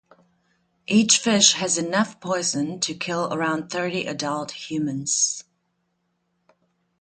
Each fish has enough poison to kill around thirty adult humans.